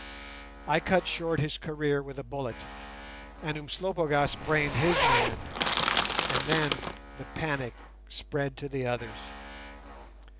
I cut short his career with a bullet, and Umslopogaas brained his man, and then the panic spread to the others.